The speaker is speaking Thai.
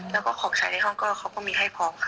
แล้วก็ของใช้ในห้องก็เขาก็มีให้พร้อมค่ะ